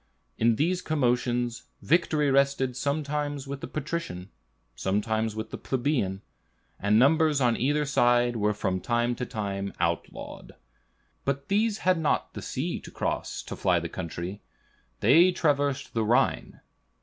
In these commotions, victory rested sometimes with the patrician, sometimes with the plebeian, and numbers on either side were from time to time outlawed. But these had not the sea to cross to fly the country; they traversed the Rhine.